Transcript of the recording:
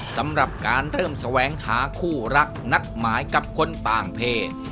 สำหรับการเริ่มแสวงหาคู่รักนัดหมายกับคนต่างเพศ